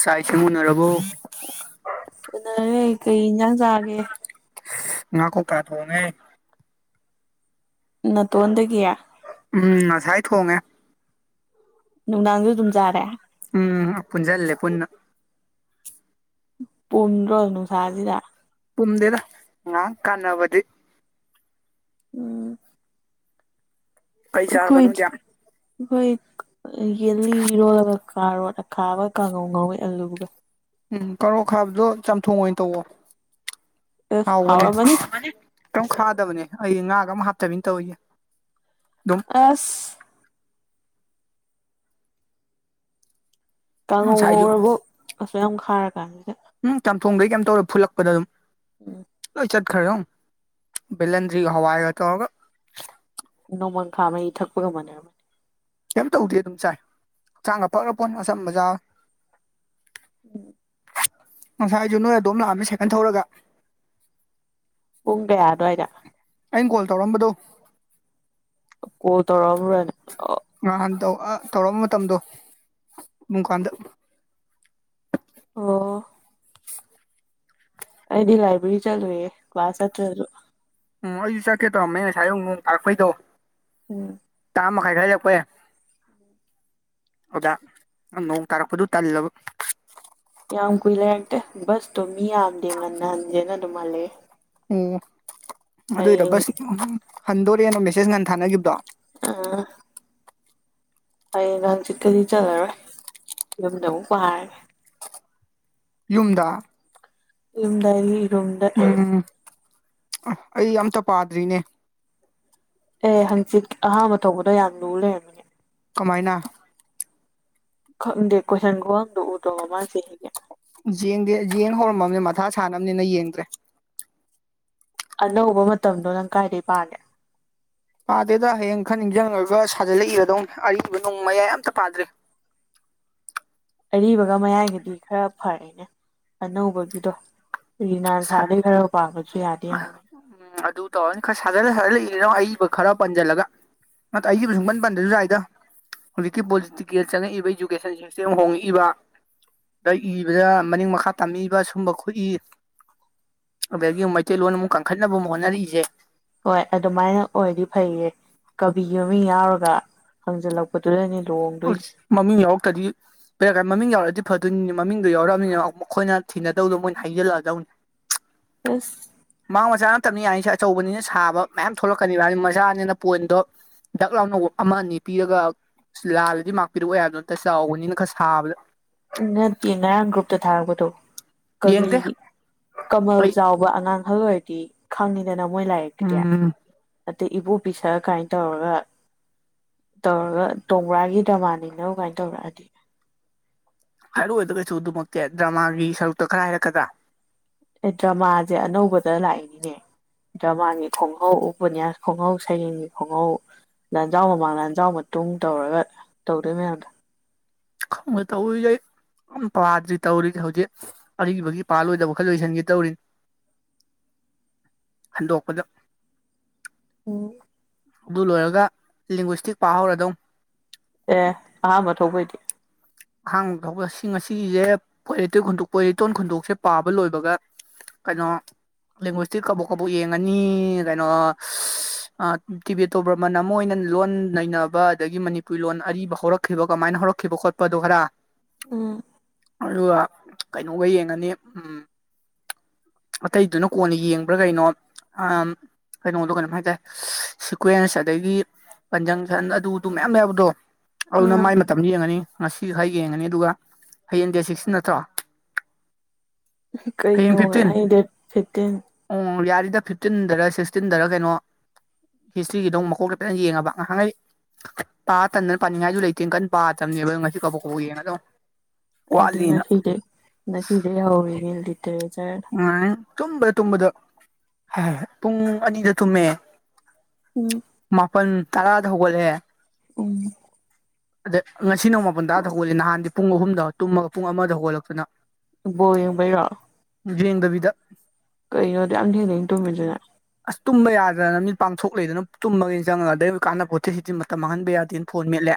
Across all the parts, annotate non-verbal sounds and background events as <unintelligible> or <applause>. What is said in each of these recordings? ꯆꯥꯛ ꯏꯁꯤꯡ ꯎꯅꯔꯕꯣ ꯎꯅꯥꯔꯦ ꯀꯩ ꯏꯟꯖꯥꯡ ꯆꯥꯒꯦ ꯉꯥ ꯀꯣꯛꯇ ꯊꯣꯡꯉꯦ ꯅꯇꯣꯟꯗꯒꯤ ꯎꯝ ꯉꯁꯥꯏ ꯊꯣꯡꯉꯦ ꯅꯨꯡꯗꯥꯡꯁꯨ ꯑꯗꯨꯝ ꯆꯥꯔꯦ ꯎꯝ ꯄꯨꯟꯁꯦꯜꯂꯦ ꯄꯨꯟꯅ ꯇꯨꯝꯗ꯭ꯔꯣ ꯅꯨꯡꯁꯥꯁꯤꯗ ꯄꯨꯝꯗꯦꯗ ꯉꯛ ꯀꯥꯟꯅꯕꯗꯤ ꯎꯝ ꯀꯩ ꯆꯥꯔꯕꯥ ꯅꯥꯪꯗꯤ ꯍꯈꯣꯏ ꯌꯦꯜꯂꯤ ꯏꯔꯣꯜꯂꯒ ꯀꯥꯔꯣ ꯑꯈꯥꯕ ꯀꯥꯡꯉꯧ ꯉꯧꯋꯤ ꯑꯂꯨꯒ ꯎꯝ ꯀꯔꯣꯛ ꯈꯥꯕꯗꯣ ꯆꯥꯝꯊꯣꯡ ꯑꯣꯏꯅ ꯇꯧꯋ ꯑꯁ ꯍꯥꯎꯕꯅꯦ ꯍꯥꯎꯔꯝꯃꯅꯤ ꯀꯔꯪ ꯈꯥꯗꯕꯅꯦ ꯑꯩ ꯉꯥꯒ ꯑꯃ ꯍꯥꯞꯠꯇꯃꯤꯅ ꯇꯧꯔꯤꯌꯦꯦ ꯑꯗꯨꯝ ꯑꯁ ꯀꯥꯡꯉꯧ ꯉꯁꯥꯏꯁꯨ ꯉꯧꯔꯕ ꯑꯥꯁꯨ ꯌꯥꯝ ꯈꯥꯔ ꯀꯥꯟꯁꯤꯁꯦ ꯎꯝ ꯆꯝꯊꯣꯡꯗꯤ ꯀꯥꯔꯦꯝ ꯇꯧꯔ ꯐꯨꯜꯂꯛꯄꯗ ꯑꯗꯨꯝ ꯎꯝ ꯆꯠꯈꯔꯦꯗꯧꯅꯦ ꯕꯂꯟꯔꯤ ꯍꯋꯥꯏꯒ ꯇꯒ ꯅꯣꯡꯃꯪꯈꯥ ꯃꯍꯤ ꯊꯛꯄ ꯉꯝꯅꯔꯝꯃꯦ ꯀꯩꯝ ꯇꯧꯗꯦ ꯑꯗꯨꯝ ꯆꯥꯏ ꯍꯛꯆꯥꯟꯒ ꯐꯈꯔꯥꯄꯣꯟ ꯑꯁꯝꯕ ꯆꯥꯥꯕ ꯎꯝ ꯉꯁꯥꯏ ꯑꯩꯁꯨ ꯅꯣꯏ ꯑꯗꯨꯝ ꯂꯥꯛꯑꯝꯃꯤ ꯁꯥꯏꯀꯟ ꯊꯧꯔꯒ ꯄꯨꯡ ꯀꯌꯥ ꯑꯗꯨꯋꯥꯏꯔ ꯑꯩꯅ ꯀꯣꯜ ꯇꯧꯔꯝꯕꯗꯣ ꯀꯣꯜ ꯇꯔꯛꯅꯅꯤ ꯅꯍꯥꯟ ꯇꯧꯔꯛꯄ ꯃꯇꯝꯗꯣ ꯑꯗꯨꯡꯀꯥꯟꯗ ꯫ ꯑꯣ꯫ ꯑꯩꯗꯤ ꯂꯥꯏꯕ꯭ꯔꯦꯔꯤ ꯆꯠꯂꯨꯏꯌꯦ ꯀ꯭ꯂꯥꯁ ꯍꯠꯇꯁꯨ꯫ ꯎꯝ ꯑꯩꯁꯨ ꯆꯠꯀꯦ ꯇꯧꯔꯝꯃꯦ ꯉꯁꯥꯏ ꯅꯣꯡ ꯇꯥꯔꯄꯩꯗꯣ꯫ ꯎꯝ꯫ ꯇꯔꯥ ꯃꯈꯥꯏꯗ ꯍꯟꯂꯥꯛꯄ ꯌꯥꯏ꯫ ꯑꯗ ꯅꯣꯡ ꯇꯥꯔꯛꯄꯗꯨ ꯇꯜꯂꯕ꯫ ꯌꯥꯝ ꯀꯨꯏ ꯂꯩꯔꯛꯇꯦ ꯕꯁꯇꯣ ꯃꯤ ꯌꯥꯝꯗꯦ ꯉꯟꯅꯍꯟꯁꯦꯅ ꯑꯗꯨꯝꯍꯜꯂꯛꯑꯦ꯫ ꯑꯣ ꯑꯗꯣꯏꯔ ꯍꯌꯦꯡ ꯕꯁ ꯍꯟꯗꯣꯔꯦꯅ ꯃꯦꯁꯦꯖ ꯉꯥꯟ ꯊꯥꯅꯈꯤꯕꯗꯣ꯫ ꯎꯝ꯫ ꯑꯩ ꯅꯪꯆꯤꯠꯀꯗꯤ ꯆꯠꯂꯔꯣꯏ ꯌꯨꯝꯗ ꯑꯃꯨꯛ ꯄꯔꯒꯦ ꯌꯨꯝꯗ <unintelligible> ꯎꯝ ꯑꯩ ꯑꯝꯇ ꯄꯥꯗ꯭ꯔꯤꯅꯦ ꯑꯦ ꯍꯪꯆꯤꯠ ꯑꯍꯥꯥꯟꯕ ꯊꯣꯀꯞꯗꯣ ꯌꯥꯝ ꯂꯨꯔꯦ ꯀꯃꯥꯏꯅ ꯈꯪꯗꯦ ꯀꯣꯏꯁꯟ ꯈꯨꯍꯪꯗꯣ ꯎꯗꯣ ꯃꯃꯥꯡꯒꯤ ꯌꯦꯡꯗꯦ ꯌꯦꯡ ꯍꯧꯔꯝꯃꯕꯅꯤ ꯃꯊꯥ ꯁꯥꯟꯅꯕꯅꯤꯅ ꯌꯦꯡꯗ꯭ꯔꯦ ꯑꯅꯧꯕ ꯃꯇꯝꯗꯣ ꯅꯪ ꯀꯥꯏꯗꯒꯤꯩ ꯄꯥꯒꯦ ꯄꯥꯗꯦꯗ ꯍꯌꯦꯡ ꯈꯔ ꯅꯤꯡꯁꯤꯡꯉꯒ ꯁꯥꯖꯤꯜꯂꯛꯏꯕꯗꯧꯅꯦ ꯑꯔꯤꯕ ꯅꯣꯡ ꯃꯌꯥꯏ ꯑꯝꯇ ꯄꯥꯗ꯭ꯔꯦ꯫ ꯑꯔꯤꯕꯒ ꯃꯌꯥꯏꯒꯗꯤ ꯈꯔ ꯐꯔꯦꯅꯦ ꯑꯅꯧꯕꯒꯤꯗꯣ꯫ ꯔꯤꯅꯥꯟꯁꯥꯗꯩ ꯈꯔ ꯄꯥꯕꯁꯨ ꯌꯥꯗꯦ ꯌꯔꯝꯒꯅꯤ꯫ ꯎꯝ ꯑꯗꯨ ꯇꯧꯔꯅꯤ ꯈꯔ ꯁꯥꯖꯤꯜꯂ ꯁꯥꯖꯤꯜꯂ ꯏꯔꯗꯧꯅꯤ ꯑꯏꯕ ꯈꯔ ꯄꯟꯁꯤꯜꯂꯒ꯫ ꯅꯠꯇ ꯑꯏꯕ ꯁꯨꯡꯄꯟ ꯄꯟꯗꯅꯁꯨ ꯌꯥꯏꯗ꯫ ꯍꯧꯖꯤꯛꯀꯤ ꯄꯣꯂꯤꯇꯤꯀꯦꯜ ꯆꯪꯉꯛꯏꯕ ꯏꯗꯨꯨꯀꯦꯁꯟ ꯁꯤꯁꯇꯦꯝ ꯍꯣꯡꯉꯛꯏꯕ꯫ ꯗ ꯏꯕꯗ ꯃꯅꯤꯡ ꯃꯈꯥ ꯇꯝꯕꯤꯕ ꯁꯨꯝꯕ ꯈꯣꯠꯏ꯫ ꯑꯗꯒꯤ ꯑꯃꯨꯛ ꯃꯩꯇꯩꯂꯣꯟ ꯑꯃꯨꯛ ꯀꯈꯠꯅꯕ ꯑꯃ ꯍꯣꯠꯅꯔꯛꯏꯁꯦ꯫ ꯍꯣꯏ ꯑꯗꯨꯃꯥꯏꯅ ꯑꯣꯏꯔꯗꯤ ꯐꯩꯌꯦ ꯀꯕꯤꯒꯤ ꯃꯃꯤꯡ ꯌꯥꯎꯔꯒ ꯍꯪꯖꯜꯂꯛꯄꯗꯨꯗꯅꯤ꯫ ꯎꯁꯁ ꯃꯃꯤꯡ ꯌꯥꯎꯔꯛꯇ꯭ꯔꯗꯤ꯫ ꯕꯦꯔ ꯀꯥꯏ ꯃꯃꯤꯡ ꯌꯥꯎꯔꯛꯑꯗꯤ ꯐꯗꯣꯏꯅꯤ ꯃꯃꯤꯡꯗꯣ ꯌꯥꯎꯔꯑꯕꯅꯤꯅ ꯃꯈꯣꯏꯅ ꯊꯤꯅꯗꯧꯗꯣ ꯃꯣꯏꯅ ꯍꯩꯖꯜꯂꯛꯑꯗꯧꯅꯤ꯫ <inaudible> ꯑꯁ꯫ ꯃꯥꯡ ꯃꯆꯥꯅ ꯇꯞꯅ ꯌꯥꯅꯤꯁꯦ ꯑꯆꯧꯕꯅꯤꯅ ꯁꯥꯕ ꯃꯌꯥꯝ ꯊꯣꯛꯂꯛꯀꯅꯤꯕ ꯃꯆꯥꯅꯤꯅ ꯄꯣꯏꯟꯗꯣ ꯗꯥꯛ ꯂꯥꯎꯅ ꯑꯃ ꯑꯅꯤ ꯄꯤꯔꯒ꯫ ꯂꯥꯜꯂꯗꯤ ꯃꯥꯛꯄꯤꯔꯛꯑꯣ ꯌꯥꯕꯗꯣ ꯅꯠꯇ ꯆꯥꯎꯕꯅꯤꯅ ꯈꯔ ꯁꯥꯕꯗ꯫ ꯅꯠꯇꯦ ꯉꯔꯥꯡ ꯒ꯭ꯔꯨꯞꯇ ꯊꯥꯔꯛꯄꯗꯣ ꯀꯕꯤ ꯌꯦꯡꯗꯦ ꯀꯃꯜ ꯑꯩ ꯆꯥꯎꯕ ꯕ ꯑꯉꯥꯡ ꯑꯍꯜ ꯑꯣꯏꯔꯗꯤ ꯈꯪꯉꯤꯗꯅ ꯃꯣꯏ ꯂꯥꯏꯔꯤꯛꯇꯨꯗꯤ꯫ ꯎꯝ ꯑꯗꯩ ꯏꯕꯣꯄꯤ ꯁꯛ ꯀꯥꯏꯅ ꯇꯧꯔꯒ꯫ ꯇꯧꯔꯒ ꯇꯣꯡꯕ꯭ꯔꯥꯒꯤ ꯗꯃꯥꯟꯅꯤꯅ ꯀꯃꯥꯏꯅ ꯇꯧꯔꯛꯑꯗꯤ꯫ ꯍꯥꯏꯔꯑꯣꯗ ꯀꯩꯁꯨ ꯑꯗꯨꯃꯛꯇꯤ ꯗ꯭ꯔꯃꯥꯒꯤ ꯁꯔꯨꯛꯇ ꯈꯔ ꯍꯥꯏꯔꯛꯀꯗ꯭ꯔꯥ꯫ ꯑꯦ ꯗ꯭ꯔꯃꯥꯁꯦ ꯑꯅꯧꯕꯗ ꯂꯥꯛꯏꯅꯤꯅꯦ꯫ ꯗ꯭ꯔꯃꯥꯒꯤ ꯈꯨꯡꯉꯧ ꯎꯄꯟ꯭ꯌꯥꯁ ꯈꯣꯡꯉꯧ ꯁꯩꯔꯦꯡꯒꯤ ꯈꯣꯡꯉꯧ꯫ ꯂꯟꯖꯥꯎ ꯃꯃꯥꯡ ꯂꯟꯖꯥꯎ ꯃꯇꯨꯡ ꯇꯧꯔꯒ ꯇꯧꯗꯣꯏ ꯃꯌꯥꯝꯗꯣ꯫ <unintelligible> ꯑꯝ ꯄꯥꯗ꯭ꯔꯤ ꯇꯧꯔꯤꯁꯦ ꯍꯧꯖꯤꯛ ꯑꯔꯤꯕꯒꯤ ꯄꯥꯜꯂꯣꯏꯗꯕ ꯈꯔ ꯂꯣꯏꯁꯤꯟꯒꯦ ꯇꯧꯔꯤ꯫ ꯍꯟꯗꯣꯛꯄꯗ ꯑꯣ꯫ ꯑꯗꯨ ꯂꯣꯏꯔꯒ ꯂꯤꯡꯒꯣꯏꯁꯇꯤꯛ ꯄꯥꯍꯧꯔꯗꯧ꯫ ꯑꯦ ꯑꯍꯝꯕ ꯊꯣꯛꯄꯩꯗꯤ ꯑꯍꯥꯟꯕ ꯊꯣꯛꯄꯗꯨ ꯉꯁꯤꯒꯤꯁꯦ ꯄꯣꯏꯇꯤꯞ ꯄꯣꯏꯔꯇꯣꯟ ꯈꯨꯟꯗꯣꯛꯁꯦ ꯄꯥꯕ ꯂꯣꯏꯕꯒ ꯀꯩꯅꯣ ꯂꯦꯡꯒ꯭ꯋꯦꯁꯇꯤ ꯀꯕꯣꯛ ꯀꯕꯣꯛ ꯌꯦꯡꯉꯅꯤ ꯀꯩꯅꯣ꯫ ꯇꯤꯕꯦꯇꯣ ꯕ꯭ꯔꯃꯟ ꯑꯃ ꯑꯣꯏꯅ ꯂꯣꯟ ꯅꯩꯅꯕ ꯑꯗꯒꯤ ꯃꯅꯤꯄꯨꯔꯤ ꯂꯣꯟ ꯑꯔꯤꯕ ꯍꯧꯔꯛ ꯈꯤꯕ ꯀꯃꯥꯏꯅ ꯍꯧꯔꯛꯈꯤꯕ ꯈꯣꯠꯄꯗꯨ ꯈꯔ꯫ ꯑꯗꯨꯒ ꯀꯩꯅꯣꯒ ꯌꯦꯡꯉꯅꯤ ꯎꯝ꯫ ꯑꯇꯩꯗꯨꯅ ꯀꯣꯟꯅ ꯌꯦꯡꯕ꯭ꯔꯥ ꯀꯩꯅꯣ ꯑꯝ ꯀꯩꯅꯣꯗꯣ ꯀꯩꯅꯣꯝ ꯍꯥꯏꯗꯥꯏ ꯁꯤꯀ꯭ꯋꯦꯟꯁ ꯑꯗꯒꯤ ꯀꯟꯖꯪꯁꯟ ꯑꯗꯨꯗꯨ ꯃꯌꯥꯝ ꯌꯥꯎꯟꯗꯣ ꯑꯗꯨꯅ ꯑꯥ ꯃꯥꯏ ꯃꯇꯝꯗꯨ ꯌꯦꯡꯉꯅꯤ꯫ ꯉꯁꯤ ꯍ ꯌꯦꯡꯒꯅꯤ ꯑꯗꯨꯒ ꯍꯌꯦꯡꯗꯤꯌꯥ ꯁꯤꯛꯁꯇ ꯅꯠꯇ꯭ꯔꯣ ꯍꯌꯦꯡ ꯀꯩꯅꯣ ꯐꯤꯐꯇꯤꯟ ꯍ ꯗꯦꯠ ꯊꯠꯇ ꯑꯣ ꯌꯥꯔꯤꯗ ꯐꯤꯐꯇꯤꯟꯗꯔ ꯁꯤꯛꯁꯇꯤꯟꯗꯔ ꯀꯩꯅꯣ ꯍꯤꯁꯇ꯭ꯔꯤꯒꯤꯗꯧ ꯃꯀꯣꯛꯇꯩ ꯐꯖꯅ ꯌꯦꯡꯉꯕ ꯉꯥꯏꯍꯥꯛꯈꯩ ꯄꯥ ꯇꯟꯗꯅ ꯄꯥꯅꯤꯡꯉꯥꯏꯁꯨ ꯂꯩꯇꯦ ꯀꯟ ꯄꯥꯗꯝꯅꯤ꯫ ꯉꯁꯤ ꯀꯕꯣꯛ ꯀꯕꯣꯛ ꯌꯦꯡꯉꯥꯗꯣꯏꯅꯤ꯫ ꯍꯥꯏꯗꯤ ꯉꯁꯤꯗꯤ ꯉꯁꯤꯗꯤ ꯍꯧꯔꯤ ꯂꯤꯇꯔꯦꯆꯔ꯫ ꯎ ꯇꯨꯝꯕꯗ ꯇꯨꯝꯕꯗ ꯍꯥꯏ ꯄꯨꯡ ꯑꯅꯤꯗ ꯇꯨꯝꯃꯦ ꯎꯝ ꯃꯥꯄꯜ ꯇꯔꯥꯗ ꯍꯧꯒꯠꯂꯦ ꯎꯝ ꯑꯗ ꯉꯁꯤ ꯅꯣꯡ ꯃꯥꯄꯜ ꯇꯥꯗ ꯍꯧꯒꯂꯦ ꯅꯍꯥꯟꯗꯤ ꯄꯨꯡ ꯑꯍꯨꯝꯗ ꯇꯨꯝꯃꯒ ꯄꯨꯡ ꯑꯃꯗ ꯍꯧꯒꯠꯂꯛꯇꯨꯅ ꯕꯣꯏꯕꯔ ꯌꯦꯡꯗꯕꯤꯗ ꯀꯩꯅꯣꯗꯤ ꯑꯅ ꯍꯦꯡꯅꯅ ꯇꯨꯝꯃꯤꯁꯤꯅ ꯑꯁ ꯇꯨꯝꯕ ꯌꯥꯗꯅ ꯃꯤ ꯄꯥꯡꯊꯣꯛ ꯂꯩꯗꯅ ꯇꯨꯝꯕꯒꯒꯤꯅꯤ ꯆꯪꯉꯒ ꯑꯗꯩ ꯀꯥꯟꯅꯕ ꯄꯣꯠꯇꯤ ꯁꯤꯗꯤꯤ ꯇ ꯃꯥꯡꯍꯟꯕ ꯌꯥꯗꯦꯅ ꯐꯣꯟ ꯃꯦꯠꯂꯦ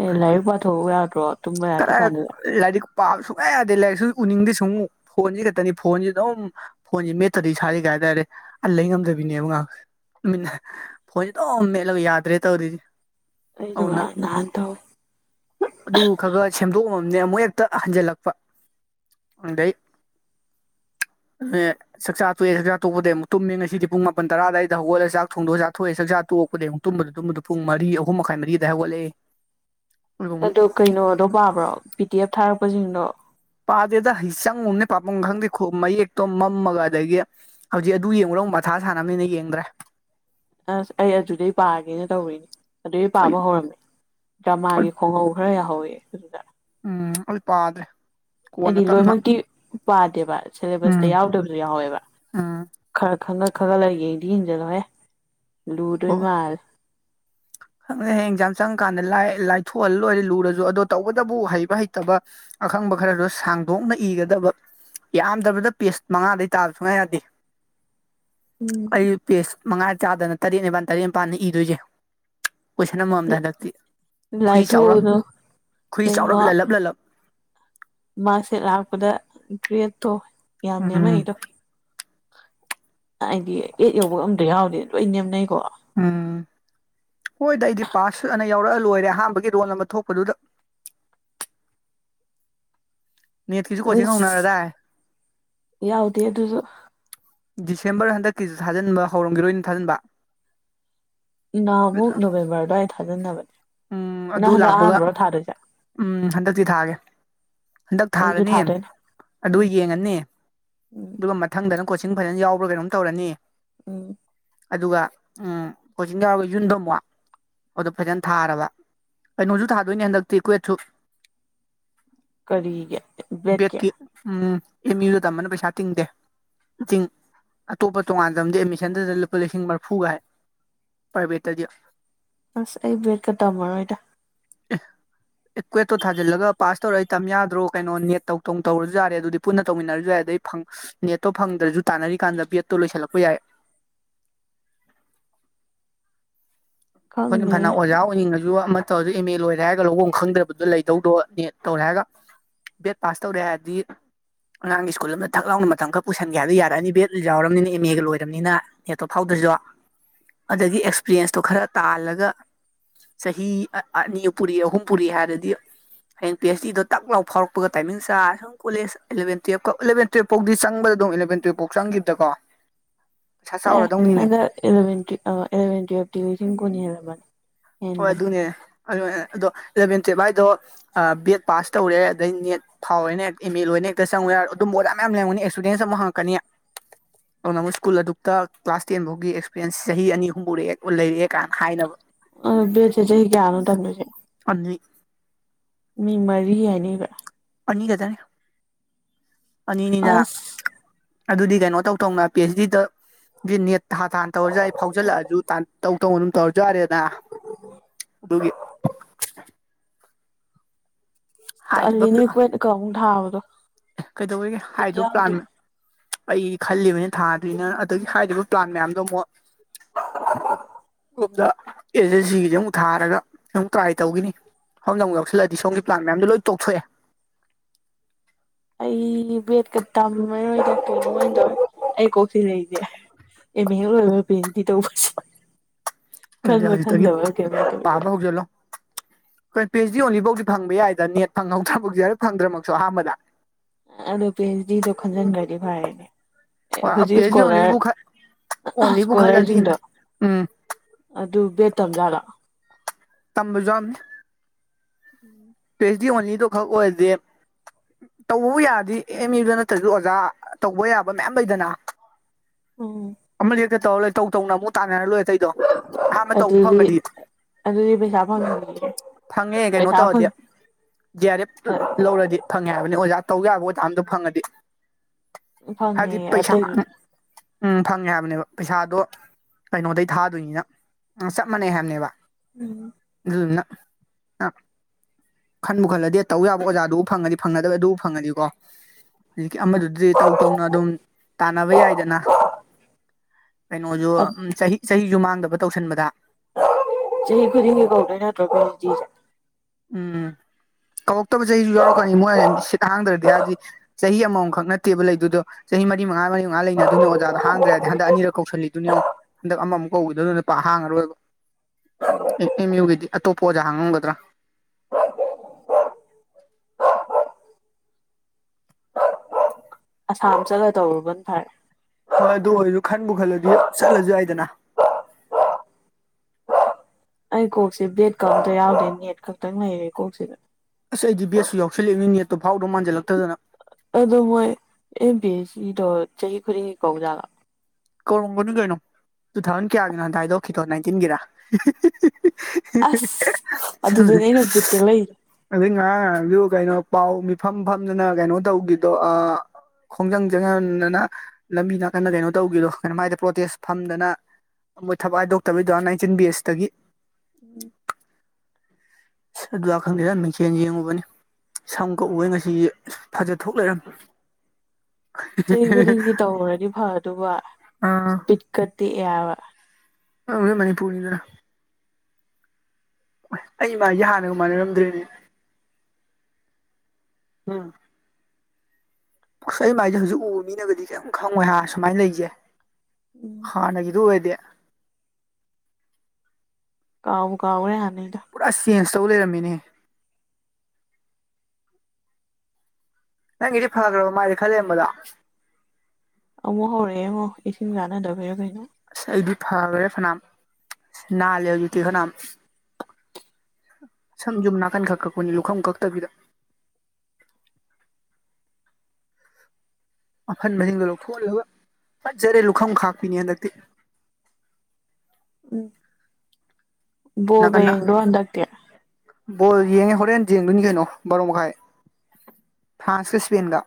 ꯑꯦ ꯂꯥꯏꯔꯤꯛ ꯄꯥꯊꯣꯛꯑ ꯌꯥꯗ꯭ꯔꯣ ꯇꯨꯝꯕ ꯌꯥꯗꯦ ꯀꯗꯥꯏ ꯀꯥꯟꯗꯨꯗ ꯂꯥꯏꯔꯤꯛ ꯄꯥꯕ ꯁꯨꯡꯌꯥ ꯌꯥꯗꯦ ꯂꯥꯏꯔꯤꯛꯁꯨ ꯎꯅꯤꯡꯗꯦ ꯁꯨꯡꯉꯨꯛ ꯐꯣꯟꯁꯤ ꯈꯛꯇꯅꯤ ꯐꯣꯟꯁꯤ ꯑꯗꯨꯝ ꯐꯣꯟꯁꯤꯦ ꯃꯦꯠꯇꯗꯤ ꯁꯥꯔꯤ ꯀꯩ ꯍꯥꯏꯇꯥꯔꯦ ꯑꯟ ꯂꯩ ꯉꯝꯗꯕꯤꯅꯦꯕ ꯉꯥꯏꯍ ꯐꯣꯏꯁꯦ ꯑꯗꯨꯝ ꯃꯦꯠꯂꯒ ꯌꯥꯗ꯭ꯔꯦ ꯇꯧꯗꯗꯤ ꯑꯩ ꯅꯨꯡ ꯅꯍꯥꯟ ꯇꯣ ꯑꯗꯨ ꯈꯔ ꯈꯔ ꯁꯦꯝꯗꯣꯛꯑꯝꯃꯝꯅꯦ ꯑꯃꯨꯛ ꯍꯦꯛꯇ ꯍꯟꯖꯜꯂꯛꯄ ꯑꯗꯩ ꯍ ꯆꯥꯛꯆꯥ ꯇꯣꯛꯑꯦ ꯆꯥꯛ ꯆꯥꯣꯛꯄꯩ ꯑꯃꯨꯛ ꯇꯨꯝꯃꯦ ꯉꯁꯤꯗꯤ ꯄꯨꯡ ꯃꯥꯄꯟ ꯇꯔꯥꯗꯥꯋꯥꯗ ꯍꯧꯒꯠꯂ ꯆ ꯊꯣꯡꯗꯣꯛ ꯆꯥꯛꯣꯛꯑ ꯆꯥꯛ ꯆ ꯇꯣꯛꯄꯩ ꯑꯃꯨ ꯇꯨꯝꯕꯗ ꯇꯨꯝꯕꯗ ꯄꯨꯡ ꯃꯔꯤ ꯑꯍꯨꯝ ꯃꯈꯥꯏ ꯃꯔꯤ ꯑꯗꯨꯏ ꯍꯧꯒꯠꯂꯛꯏ ꯑꯣ ꯀꯩꯅꯣꯗꯣ ꯄꯥꯕ꯭ꯔꯣ ꯄꯤ ꯇꯤ ꯑꯦꯐ ꯊꯥꯔꯛꯄꯁꯤꯡꯗꯣ ꯄꯥꯗꯦꯗ ꯆꯪꯉꯨꯕꯅꯦ ꯄꯥꯄꯨꯡ ꯈꯪꯗꯦ ꯃꯌꯦꯛꯇꯣ ꯃꯝꯃꯒ ꯑꯗꯒꯤ ꯍꯧꯖꯤꯛ ꯑꯗꯨ ꯌꯦꯡꯉꯨꯔꯣꯨ ꯃꯊꯥ ꯁꯥꯟꯅꯕꯅꯤꯅ ꯌꯦꯡꯗ꯭ꯔꯦ ꯑꯁ ꯑꯩ ꯑꯗꯨꯗꯩ ꯄꯥꯒꯦꯅ ꯇꯧꯔꯤꯅꯦ ꯑꯗꯨꯩ ꯑꯩ ꯄꯥꯕ ꯍꯧꯔꯝꯃꯦ ꯑꯩ ꯗ꯭ꯔꯃꯥꯒꯤ ꯈꯣꯡꯍꯧ ꯈꯔ ꯌꯥꯍꯧꯋꯤ ꯑꯗꯨꯗ ꯎꯝ ꯑꯜꯄꯥꯗ꯭ꯔꯦ ꯍꯥꯏꯗꯤ ꯂꯣꯏꯅꯃꯛꯇꯤ ꯄꯥꯗꯦꯕ ꯁꯤꯂꯦꯕꯁꯇ ꯎꯝ ꯌꯥꯎꯗꯕꯁꯨ ꯌꯥꯎꯋꯦꯕ ꯎꯝ ꯈꯔ ꯈꯪꯒꯠ ꯈꯒ ꯂ ꯌꯦꯡꯗꯤ ꯌꯦꯦꯟꯖꯜꯂꯣꯍꯦ ꯂꯨꯗꯣꯏ ꯃꯥꯜꯂꯦ ꯈꯪꯉꯦ ꯍꯌꯦꯡ ꯑꯦꯛꯖꯥꯝ ꯆꯪꯉ ꯀꯥꯟꯗ ꯂꯥꯏꯊꯣꯛꯍꯜꯂ ꯂꯣꯏꯔꯦ ꯂꯨꯔꯁꯨ ꯑꯗꯣ ꯇꯧꯕꯇꯕꯨ ꯍꯩꯕ ꯍꯩꯇꯕ ꯑꯈꯪꯕ ꯈꯔꯗꯣ ꯁꯥꯡꯗꯣꯛꯅ ꯏꯒꯗꯕ ꯌꯥꯝꯗ꯭ꯔꯕꯗ ꯄꯦꯤꯁ ꯃꯉꯥꯗꯩ ꯇꯥꯕ ꯁꯨꯡꯉꯥꯏ ꯌꯥꯗꯦ ꯎꯝ ꯑꯩ ꯄꯦꯁ ꯃꯉꯥ ꯆꯥꯗꯅ ꯇꯔꯦꯠ ꯅꯤꯄꯥꯜ ꯇꯔꯦꯠ ꯅꯤꯄꯥꯜꯗ ꯏꯗꯣꯏꯁꯦ ꯀꯣꯏꯁꯟ ꯑꯃꯃꯝꯗ ꯍꯟꯗꯛꯇꯤ ꯈꯨꯏ ꯆꯥꯎꯔꯞ ꯂꯥꯏꯊꯣꯛꯎꯗꯣ ꯈꯨꯏ ꯆꯥꯎꯔꯞ ꯂꯜꯂꯞ ꯂꯜꯂꯞ ꯃꯥꯁꯦ ꯂꯥꯛꯄꯗ ꯒ꯭ꯔꯦꯠꯇꯣ ꯌꯥꯝꯅꯤ ꯎꯝ ꯑꯃꯗꯣ ꯍꯥꯏꯗꯤ ꯑꯦꯠ ꯌꯧꯕ ꯑꯝꯗ ꯌꯥꯎꯗꯦ ꯂꯣꯏ ꯅꯦꯝꯅꯩꯀꯣ ꯎꯝ ꯍꯣꯏꯗ ꯑꯩꯗꯤ ꯄꯥꯁ ꯁꯨꯠ ꯑꯅ ꯌꯥꯎꯔꯛꯑ ꯂꯣꯏꯔꯦ ꯑꯍꯥꯟꯕꯒꯤ ꯔꯣꯜ ꯑꯃ ꯊꯣꯛꯄꯗꯨꯗ ꯅꯦꯠꯀꯤꯁꯨ ꯀꯣꯆꯤꯡ ꯑꯁ ꯍꯧꯅꯔꯗꯥ ꯌꯥꯎꯗꯦ ꯑꯗꯨꯁꯨ ꯗꯤꯁꯦꯝꯕꯔ ꯍꯟꯗꯛꯀꯤꯁꯨ ꯊꯥꯖꯤꯟꯕ ꯍꯧꯔꯝꯈꯤꯔꯣꯏꯅ ꯊꯥꯖꯤꯟꯕ ꯅꯍꯃꯨꯛ ꯅꯣꯕꯦꯝꯕꯔ ꯑꯗꯨꯋꯥꯏꯗ ꯊꯥꯖꯅꯕꯅꯦ ꯎꯝ ꯑꯗꯨ ꯂꯥꯛꯄꯒ ꯎꯝ ꯍꯟꯗꯛꯇꯤ ꯊꯥꯒꯦ ꯍꯟꯗꯛ ꯑꯩꯁꯨ ꯊꯥꯔꯅꯤ ꯊꯥꯗꯣꯏꯅꯦ ꯑꯗꯨ ꯎꯝ ꯌꯦꯡꯉꯅꯤ ꯎꯝ ꯑꯗꯨꯒ ꯊꯪꯗꯅ ꯀꯣꯆꯤꯡ ꯐꯖꯅ ꯌꯥꯎꯕ꯭ꯔꯥ ꯀꯩꯅꯣꯝ ꯇꯧꯔꯅꯤ ꯎꯝ ꯑꯗꯨꯒ ꯎꯝ ꯀꯆꯤꯡ ꯌꯥꯎꯔꯒ ꯌꯟꯕ ꯑꯃꯨꯛ ꯑꯗꯨꯗꯣ ꯐꯖꯅ ꯊꯥꯔꯕ ꯀꯩꯅꯣꯡꯁꯨ ꯊꯥꯗꯣꯏꯅꯦ ꯍꯟꯗꯛꯇꯤ ꯀ꯭ꯋꯦꯠꯁꯨ ꯕꯦꯠꯀꯤ ꯎꯝ ꯑꯦꯝ ꯌꯨꯗ ꯇꯝꯕꯅ ꯄꯩꯁꯥ ꯇꯤꯡꯗꯦ ꯤꯡ ꯑꯇꯣꯞꯄ ꯇꯣꯉꯥꯟꯗꯤ ꯑꯦꯗꯃꯤꯁꯟꯗꯨꯗꯅ ꯂꯨꯄꯥ ꯂꯤꯁꯤꯡ ꯃꯔꯔꯤꯐꯨꯒ ꯍꯥꯏ ꯄꯥꯏꯕꯦꯇꯗꯤꯣ ꯑꯁ ꯑꯩ ꯕ꯭ꯔꯦꯗꯀ ꯇꯝꯃꯔꯣꯏꯗ <inaudible> ꯑꯦꯀ꯭ꯋꯦꯠꯇꯣ ꯊꯥꯖꯤꯜꯂꯒ ꯄꯥꯁ ꯇꯧꯔ ꯑꯩ ꯇꯝ ꯌꯥꯗ꯭ꯔꯣ ꯀꯩꯅꯣ ꯅꯠ ꯇꯧ ꯇꯧ ꯇꯧꯔꯁꯨ ꯌꯥꯔꯦ ꯑꯗꯨꯗꯤ ꯄꯨꯟꯅ ꯇꯧꯃꯤꯟꯅꯔꯁꯨ ꯌꯥꯏ ꯑꯗ ꯑꯩ ꯐꯪ ꯅꯦꯠꯇꯣ ꯐꯪꯗ꯭ꯔꯁꯨ ꯇꯥꯟꯅꯔꯤꯀꯥꯟꯗ ꯕꯦꯠꯇꯣ ꯂꯣꯏꯁꯤꯜꯂꯛꯄ ꯌꯥꯏ ꯑꯩꯈꯣꯏꯅ ꯐꯅ ꯈꯪꯗꯦꯅꯦ ꯑꯣꯖꯥ ꯑꯣꯏꯅꯤꯡꯉꯁꯨ ꯑꯃ ꯇꯧꯔ ꯑꯦꯝ ꯑꯦ ꯂꯣꯏꯔꯦ ꯍꯥꯏꯔꯒ ꯂꯧꯧꯕꯐꯝ ꯈꯪꯗ꯭ꯔꯕꯗꯨꯣ ꯂꯩꯗꯧꯗꯣ ꯇꯧꯔꯦ ꯍꯥꯏꯔꯒ ꯕꯦꯠ ꯄꯥꯁ ꯇꯧꯔꯦ ꯍꯥꯏꯔꯗꯤ ꯑꯉꯥꯡꯒꯤ ꯁ꯭ꯀꯨꯜ ꯑꯃꯗ ꯊꯥꯛ ꯂꯥꯎꯅ ꯃꯇꯝ ꯈꯔ ꯄꯨꯁꯟꯒꯦꯗꯣ ꯌꯥꯔꯑꯅꯤ ꯕꯦꯠ ꯌꯥꯎꯔꯕꯅꯤꯅ ꯑꯦꯝ ꯑꯦꯒ ꯂꯣꯏꯔꯕꯅꯤꯅ ꯅꯦꯇꯣꯞ ꯐꯥꯎꯗ꯭ꯔꯤꯗ ꯑꯗꯒꯤ ꯑꯦꯛꯁꯄꯤꯔꯤꯌꯦꯟꯁꯇꯣ ꯈꯔ ꯇꯥꯜꯂꯒ ꯆꯍꯤ ꯑꯅꯤ ꯄꯨꯔꯤ ꯑꯍꯨꯝ ꯄꯨꯔꯤ ꯍꯥꯏꯔꯗꯤ ꯍꯌꯦꯡꯤ ꯑꯩꯆ ꯗꯨꯣ ꯇꯛ ꯂꯥꯎ ꯐꯥꯎꯔꯛꯄꯒ ꯇꯥꯏꯃꯤꯡ ꯆꯥ ꯀꯣꯂꯦꯨ ꯏꯂꯚꯦꯟ ꯇꯨꯌꯦꯞ ꯐꯥꯎꯗꯤ ꯆꯪꯕꯗ ꯑꯗꯨꯝ ꯏꯂꯚꯦꯟ ꯇꯨꯌꯦꯞ ꯐꯥꯎ ꯆꯪꯈꯤꯗꯀꯣ ꯑꯦꯚꯋꯚ ꯀꯂꯕꯅꯤ ꯍꯣꯏ ꯑꯗꯨꯅꯦ ꯑꯗꯨ ꯑꯗꯣ ꯏꯂꯚꯦꯟ ꯇꯨꯌꯦꯦꯜꯚ ꯍꯥꯏꯗꯣ ꯕꯦꯠ ꯄꯥꯁ ꯇꯧꯔꯦ ꯑꯗꯩ ꯅꯦꯠ ꯐꯥꯎꯅ ꯍꯛꯇ ꯑꯦꯝ ꯑꯦ ꯂꯣꯏꯅ ꯍꯦꯛꯇ ꯆꯪꯉꯨ ꯌꯥꯔ ꯑꯗꯨꯝꯕ ꯑꯣꯖꯥ ꯃꯌꯥꯝ ꯂꯒꯅꯤ ꯑꯦꯛꯁꯄꯤꯔꯤꯦꯟꯁ ꯑꯃ ꯍꯥꯡꯉꯛꯀꯅꯤ ꯑꯗꯨꯅ ꯑꯃꯨꯛ ꯁ꯭ꯀꯨꯜ ꯑꯗꯨꯛꯇ ꯀ꯭ꯂꯥꯁ ꯇꯦꯟ ꯐꯧꯒꯤ ꯑꯦꯛꯁꯄꯤꯔꯤꯌꯦꯟꯁ ꯆꯍꯤ ꯑꯅꯤ ꯑꯍꯔꯛꯑꯦ ꯂꯩꯔꯛꯑꯦ ꯀꯥꯏꯅ ꯍꯥꯏꯅꯕ ꯑꯣ ꯕꯦꯠꯁꯦ ꯆꯍꯤ ꯀꯌꯥꯅꯣ ꯇꯝꯗꯣꯏꯁꯦ ꯍ ꯃꯤ ꯃꯔꯤ ꯍꯥꯏꯅꯤꯕ ꯑꯅꯤꯒꯗꯅꯤ ꯑꯅꯤꯅꯤꯅ ꯑꯁ ꯑꯗꯨꯗꯤ ꯀꯩꯅꯣ ꯇꯧꯗꯧꯅ ꯄꯤ ꯑꯩꯆ ꯗ ꯅꯦꯠ ꯊꯥ ꯊꯥꯟꯅ ꯇꯧꯔꯁꯨ ꯌꯥꯏ ꯐꯥꯎꯖꯤꯜꯂꯛꯑꯁꯨ ꯇꯧ ꯇꯧ ꯑꯗꯨꯝ ꯇꯧꯔꯖꯥꯔꯦꯗ ꯑꯗꯨꯒꯤ ꯍꯥꯏꯔꯤꯕ ꯇꯜꯂꯦꯅꯦ ꯀꯨꯋꯦꯠ ꯑꯃꯨꯛ ꯊꯕꯥꯗꯣ ꯀꯩꯗꯧꯋꯒꯦ ꯍꯥꯏꯗ ꯄ꯭ꯂꯥꯟ ꯑꯩ ꯈꯜꯂꯤꯕꯅ ꯊꯥꯗꯣꯏꯅ ꯑꯗꯒꯤ ꯍꯥꯏꯔꯤꯕ ꯄ꯭ꯂꯥꯟ ꯃꯌꯥꯝꯗꯣ ꯑꯃꯨꯛ ꯣꯝꯗ ꯑꯦꯖꯦꯟꯁꯤꯒꯤꯁ ꯑꯃꯨꯛ ꯊꯥꯔꯒ ꯑꯃꯨ ꯇ꯭ꯔꯥꯏ ꯇꯧꯈꯤꯅꯤ ꯁꯣꯗꯨꯛꯎꯁꯤꯜꯂꯑꯗꯤ ꯁꯣꯝ ꯄ꯭ꯂꯥꯟꯌꯥꯝꯣ ꯂꯣꯏ ꯇꯣꯛꯊꯑꯦ ꯑꯩ ꯕꯦꯠꯀ ꯇꯥꯃꯔꯣꯏꯗ ꯀ ꯅꯉꯣꯏꯗꯧ ꯑꯩ ꯀꯣꯛꯁꯤꯔꯩ ꯃꯦ ꯄꯦꯦꯟꯤ ꯇꯧꯕꯔ ꯈꯟꯕ ꯈꯟꯗꯕꯒꯦ ꯃꯥ ꯍꯧꯒꯂꯣ ꯍꯣꯏ ꯄꯤꯆ ꯗꯤ ꯑꯣꯟꯂꯤꯐꯧꯗꯤ ꯐꯪꯕ ꯌꯥꯏꯗ ꯅꯦꯠ ꯐꯪꯍꯧꯗ꯭ꯔꯐꯥꯎꯁꯨ ꯌꯥꯔꯣꯏ ꯐꯪꯗ꯭ꯔꯃꯛꯁꯨ ꯑꯍꯥꯟꯕꯗ ꯑꯗꯣ ꯄꯤꯆ ꯗꯣ ꯈꯟꯖꯤꯟꯈ꯭ꯔꯗꯤ ꯐꯔꯦꯅꯦ ꯑꯦ ꯄꯤ ꯍꯧꯖꯤꯛ ꯑꯩꯆ ꯗꯤ ꯏꯁꯀꯣꯂꯔ ꯑꯣꯟꯂꯤꯕꯨ ꯑꯣꯟꯂꯤꯕꯨ ꯁꯀꯣꯂꯔ ꯈꯜꯂꯗꯤ ꯆꯗ ꯎꯝ ꯑꯗꯨ ꯕꯦꯗ ꯇꯝꯖꯥꯂ ꯇꯝꯕꯖꯝ ꯎꯝ ꯄꯦꯁ ꯗꯤ ꯑꯣꯅꯤꯗꯣ ꯈꯛ ꯑꯣꯏꯔꯗꯤ꫰ ꯇꯧꯕꯕꯨ ꯌꯥꯔꯗꯤ ꯑꯦꯝ ꯌꯨꯗ ꯅꯠꯇ꯭ꯔꯒꯁꯨ ꯑꯣꯖꯥ ꯇꯧꯕ ꯌꯥꯕ ꯃꯌꯥꯝ ꯂꯩꯗꯅ ꯑꯣ ꯑꯃ ꯂꯦꯛꯇ ꯇꯧꯔ ꯂꯣꯏ ꯇꯧ ꯇꯧꯅ ꯑꯃꯨꯛ ꯇꯥꯟꯅꯔ ꯂꯣꯏ ꯑꯇꯩꯗꯣ ꯑꯍꯥꯟꯕ ꯇꯧꯕ ꯑꯗꯨꯗꯤ ꯐꯪꯒꯗꯤ ꯑꯗꯨꯗꯤ ꯄꯩꯁꯥ ꯐꯪꯦ ꯄꯩꯁꯥ ꯐꯪ ꯗꯤ ꯑꯥꯔ ꯑꯦꯐ ꯂꯧꯔꯗꯤ ꯐꯪꯉꯦ ꯍꯥꯏꯕꯅꯤ ꯑꯣꯖꯥ ꯇꯧꯒ ꯌꯥꯕ ꯑꯣꯖꯥꯝꯗꯣ ꯐꯪꯉꯗꯤ ꯐꯪꯉꯦ ꯍꯥꯏꯗꯤ ꯄꯩꯁꯥ ꯑꯇꯩ ꯎꯝ ꯐꯪꯉꯦ ꯍꯥꯏꯕꯅꯦꯕ ꯄꯩꯁꯥꯗꯣ ꯀꯩꯅꯣꯗꯩ ꯊꯥꯗꯣꯏꯅꯤꯅ ꯆꯞ ꯃꯥꯟꯅꯩ ꯍꯥꯏꯕꯅꯦꯕ ꯑꯗꯨꯗꯨꯅ ꯈꯟꯕꯨ ꯈꯜꯂꯗꯤ ꯇꯧ ꯌꯥꯕ ꯑꯣꯖꯥꯗꯨꯕꯨ ꯐꯪꯉꯗꯤ ꯐꯪꯅꯗꯕ ꯑꯗꯨꯕꯨ ꯐꯪꯉꯅꯤꯀꯣ ꯍꯧꯖꯤꯛꯀꯤ ꯑꯃꯗꯨꯗꯤ ꯇꯧ ꯇꯧꯅ ꯑꯗꯨꯝ ꯇꯥꯅꯕ ꯌꯥꯏꯗꯅ ꯀꯩꯅꯣꯁꯨ ꯆꯍꯤ ꯆꯍꯤꯁꯨ ꯃꯥꯡꯗꯕ ꯇꯧꯁꯟꯕꯗ ꯆꯍꯤ ꯈꯨ ꯀ ꯀꯧꯗꯅꯦ ꯎꯝ ꯀꯧꯔꯛꯇꯕ ꯆꯍꯤꯁꯨ ꯌꯥꯎꯔꯛꯀꯅꯤ ꯃꯣꯏ ꯁꯤꯠ ꯍꯥꯡꯗ꯭ꯔꯗꯤ ꯍꯥꯏꯕꯗꯤ ꯆꯍꯤ ꯑꯃꯃꯝꯈꯛ ꯅꯠꯇꯦꯕ ꯂꯩꯗꯨꯗꯣ ꯆꯍꯤ ꯃꯔꯤ ꯃꯉꯥ ꯃꯔꯤ ꯃꯉꯥ ꯂꯩꯅ ꯑꯗꯨꯣꯏꯅ ꯑꯣꯖꯥꯗ ꯍꯥꯡꯗ꯭ꯔꯔꯗꯤ ꯍꯟꯗꯛ ꯑꯅꯤꯛ ꯀꯧꯁꯤꯜꯂꯤꯗꯨꯅꯦꯣ ꯍꯟꯗꯛ ꯑꯃꯃꯨꯛ ꯀꯧꯤꯗ ꯑꯗꯨꯅ ꯅꯨꯄꯥ ꯍꯥꯡꯉꯔꯣꯏꯕ ꯑꯦꯝ ꯌꯨꯒꯤꯗꯤ ꯑꯇꯣꯞꯄ ꯑꯣꯖꯥ ꯍꯥꯡꯉꯝꯒꯗ꯭ꯔꯥ ꯑꯁꯥꯝ ꯆꯠꯂ ꯇꯧꯔꯨꯕꯅ ꯐꯔꯦ ꯍꯣꯏ ꯑꯗꯨ ꯑꯣꯏꯔꯁꯨ ꯈꯟꯕꯨ ꯈꯜꯂꯗꯤ ꯆꯠꯂꯁꯨ ꯌꯥꯏꯗꯅ ꯑꯩ ꯀꯣꯛꯁꯦ ꯕ꯭ꯂꯦꯠꯀ ꯑꯝꯇ ꯌꯥꯎꯗꯦ ꯅꯦꯠ ꯈꯛꯇꯪ ꯂꯩꯔꯦ ꯀꯣꯛꯁꯤꯗ ꯑꯁ ꯑꯩ ꯦꯁꯁꯨꯎꯜꯂꯛꯦꯅꯤ ꯅꯠꯇ ꯐꯥꯎꯗ ꯃꯥꯟꯜꯂꯛꯇꯗꯅ ꯑꯗꯣ ꯃꯣꯏ ꯑ ꯕꯤ ꯁꯤꯗꯣ ꯆꯍꯤ ꯈꯨꯗꯤꯡꯒꯤ ꯀꯧꯖꯂ ꯀꯧꯔꯝꯒꯅꯨ ꯀꯩꯅꯣ ꯇꯨ ꯊꯥꯎꯖꯟ ꯀꯌꯥꯒꯤꯅꯣꯗ ꯍꯥꯏꯗꯣꯛꯈꯤꯗꯣ ꯅꯥꯏꯟꯇꯤꯟꯒꯤꯔ <inaudible> ꯑꯁ ꯑꯗꯨꯗꯅꯦ ꯑꯩꯅ ꯕꯤꯠ ꯇꯦꯛꯂꯛꯏꯗꯣ ꯑꯗꯨꯩ ꯉꯔꯥꯡ ꯉꯔꯥꯡꯗꯨ ꯀꯩꯅꯣ ꯄꯥꯎ ꯃꯤꯐꯝ ꯐꯝꯗꯅ ꯀꯩꯅꯣ ꯇꯧꯈꯤꯗꯣ ꯈꯣꯡꯖꯪ ꯆꯪꯍꯗꯅ ꯂꯝꯕꯤ ꯅꯥꯀꯟꯅ ꯀꯩꯅꯣ ꯇꯧꯈꯤꯗꯣ ꯀꯩꯅꯣ ꯃꯥꯏꯗ ꯄ꯭ꯔꯣꯇꯦꯁ ꯐꯝꯗꯅ ꯃꯣꯏ ꯊꯕꯛ ꯍꯥꯏꯗꯣꯛꯇꯕꯤꯩꯗꯔ ꯅꯥꯏꯟꯇꯤꯟ ꯕꯤ ꯑꯦꯖꯇꯒꯤ ꯑꯗꯨ ꯈꯪꯗꯦ ꯅ ꯃꯡꯆꯦꯟ ꯌꯦꯡꯉꯨꯕꯅꯤ ꯁꯝ ꯀꯛꯎꯏ ꯉꯁꯤ ꯑ ꯐꯖ ꯊꯣꯛ ꯂꯩꯔꯝꯃꯦ ꯆꯍꯤ ꯈꯨꯗꯤꯡꯒꯤ ꯇꯧꯈꯔꯗꯤ ꯐ ꯑꯗꯨꯒꯕ ꯑꯥ ꯕꯤꯠꯀ ꯇꯦꯛꯑꯕ ꯑꯅꯦ ꯃꯅꯤꯄꯨꯔꯅꯤꯗ꯭ꯔꯥ ꯑꯩ ꯃꯥꯒꯤꯦ ꯍꯥꯟꯅꯒ ꯃꯥꯟꯅꯔꯝꯗ꯭ꯔꯦꯅꯦ ꯎꯝ ꯑꯁ ꯑꯩ ꯃꯥꯏꯁꯦ ꯍꯧꯖꯤꯛ ꯎꯕ ꯃꯤꯅꯒꯗꯤ ꯀꯩꯝ ꯈꯪꯉꯣꯏ ꯍꯥꯏ ꯁꯨꯃꯥꯏꯅ ꯂꯩꯖꯦ ꯎꯝ ꯍꯥꯟꯅꯒꯤꯗꯨ ꯑꯣꯏꯗꯦ ꯀꯥꯎꯕ ꯀꯥꯎꯔꯦ ꯍꯥꯏꯅꯤꯗ ꯄꯨꯔꯥ ꯆꯦꯟꯖ ꯇꯧ ꯂꯩꯔꯝꯃꯤꯅꯦ ꯅꯪꯒꯤꯗꯤ ꯐꯈ꯭ꯔꯕ ꯃꯥꯁꯦ ꯈꯜꯂꯝꯕꯗꯣ ꯑꯃꯨꯛ ꯍꯧꯔꯛꯑꯦ ꯑꯃꯣ ꯏꯁꯤꯡ ꯀꯥꯟꯅꯗꯕꯤꯔꯣ ꯀꯩꯅꯣ ꯑꯁ ꯑꯩꯗꯤ ꯐꯈ꯭ꯔꯦ ꯐꯅꯌꯥꯝ ꯑꯁ ꯅꯥꯜꯂꯦ ꯍꯧꯖꯤꯛꯇꯤ ꯐꯅꯝ ꯁꯝ ꯌꯨꯝ ꯅꯥꯀꯟ ꯈꯛ ꯀꯛꯄꯅꯤ ꯂꯨꯈꯐꯝ ꯀꯛꯇꯕꯤꯗ ꯑꯐꯟꯕꯁꯤꯡꯗꯣ ꯂꯧꯊꯣꯛꯂ ꯑꯗꯨꯒ ꯐꯠꯖꯔꯦ ꯂꯨꯈꯝ ꯈꯥꯛꯄꯤꯅꯤ ꯍꯟꯗꯛꯇꯤ ꯎꯝ ꯅꯅꯥ ꯀꯅꯥ ꯍꯟꯗꯛꯇꯤ ꯕꯣꯜ ꯌꯦꯡꯉꯦ ꯍꯣꯔꯦꯟ ꯌꯦꯡꯗꯣꯏꯅꯤ ꯀꯩꯅꯣ ꯕꯥꯔꯣ ꯃꯈꯥꯏ ꯐ꯭ꯔꯥꯟꯁꯀ ꯏꯁꯄꯦꯟꯗ